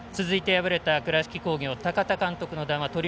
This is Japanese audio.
続いて、敗れた倉敷工業の高田監督の談話